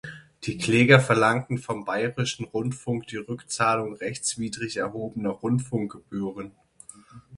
Die Kläger verlangten vom Bayerischen Rundfunk die Rückzahlung rechtswidrig erhobener Rundfunkgebühren.